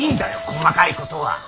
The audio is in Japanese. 細かいことは。